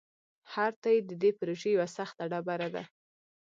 هر تایید د دې پروژې یوه سخته ډبره ده.